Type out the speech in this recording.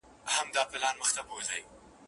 نه د خوشحال، نه د اکبر له توري وشرمېدل